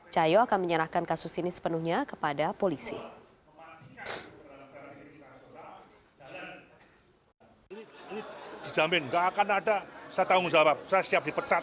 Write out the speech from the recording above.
cahyo akan menyerahkan kasus ini sepenuhnya kepada polisi